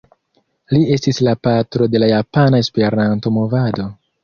Li estis la patro de la Japana Esperanto-movado.